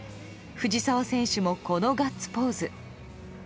藤澤選手も、このガッツポーズ。